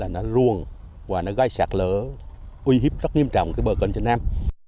nó ruồn và gây sạt lỡ uy hiếp rất nghiêm trọng bờ cơn trên nam